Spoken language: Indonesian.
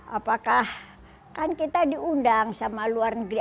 apakah kan kita diundang sama luar negeri